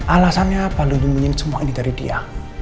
alasannya apa lu nyembunyiin semua ini dari dia